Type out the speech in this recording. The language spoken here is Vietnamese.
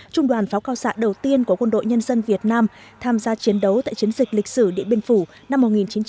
trung đoàn pháo cao xạ đầu tiên của quân đội nhân dân việt nam tham gia chiến đấu tại chiến dịch lịch sử điện biên phủ năm một nghìn chín trăm bảy mươi